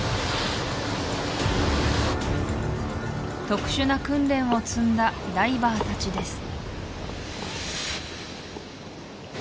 特殊な訓練を積んだダイバーたちです